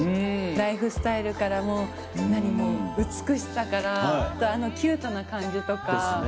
ライフスタイルからも美しさからあのキュートな感じとか。